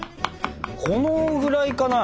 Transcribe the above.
このぐらいかな？